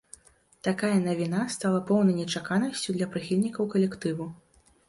Такая навіна стала поўнай нечаканасцю для прыхільнікаў калектыву.